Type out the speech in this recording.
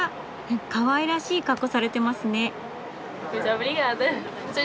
かわいらしい格好されてますね。